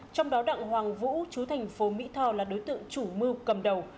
trong đó đặng hoàng vũ chú thành phố mỹ tho là đối tượng chủ mưu cầm đầu